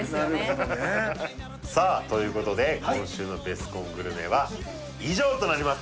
なるほどねさあということで今週のベスコングルメは以上となります